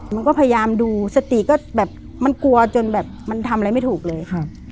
มันก็พยายามดูสติก็แบบมันกลัวจนแบบมันทำอะไรไม่ถูกเลย